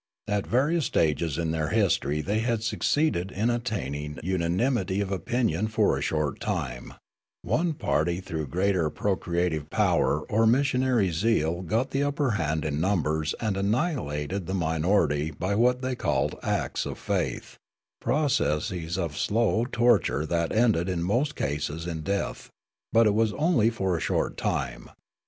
At various stages in their history they had succeeded in attaining unan imity of opinion for a short time ; one party through greater procreative power or missionary zeal got the upper hand in numbers and annihilated the minority by what they called "acts of faith," processes of slow tor ture that ended in most cases in death, but it was only for a short time.